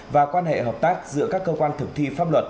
và quan hệ hợp tác giữa các cơ quan thực thi pháp luật